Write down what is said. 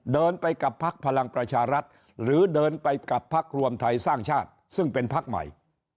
เดินไปกับพักพลังประชารัฐหรือเดินไปกับพักรวมไทยสร้างชาติซึ่งเป็นพักใหม่